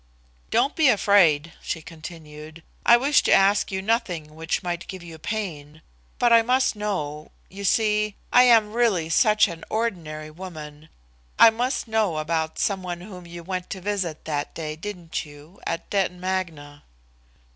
"Don't be afraid," she continued. "I wish to ask you nothing which might give you pain, but I must know you see, I am really such a ordinary woman I must know about some one whom you went to visit that day, didn't you, at Detton Magna?"